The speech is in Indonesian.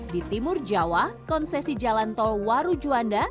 di timur jawa konsesi jalan tol warujuanda